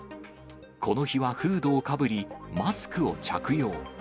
この日はフードをかぶり、マスクを着用。